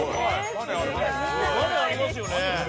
バネありますよね。